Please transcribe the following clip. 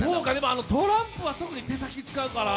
あのトランプは特に手先使うから。